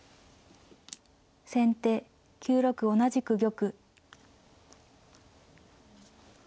先手９六同じく玉。